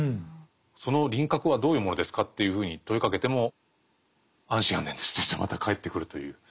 「その輪郭はどういうものですか？」というふうに問いかけても「安心・安全です」といってまた返ってくるという。